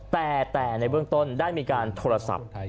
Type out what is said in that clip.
แต่ในเบื้องต้นได้มีการโทรศัพท์